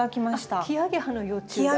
あっキアゲハの幼虫だ。